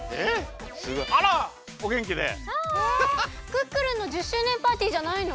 クックルンの１０周年パーティーじゃないの！？